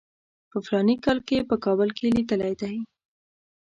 په فلاني کال کې په کابل کې لیکلی دی.